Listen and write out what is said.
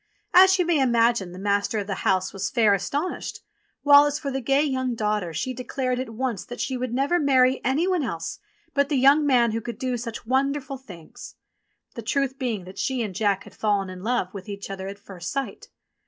As you may imagine the master of the house was fair astonished, while as for the gay young daughter she declared at once that she would never marry any one else but the : young man who could do such wonderful things ; the truth ' being that she and Jack had fallen in love with each other at first sight.